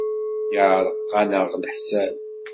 Yeɛreq-aneɣ leḥsab.